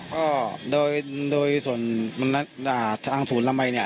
ก็โดยส่วนทางศูนย์ละมัยเนี่ย